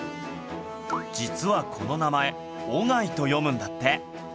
実はこの名前「おがい」と読むんだって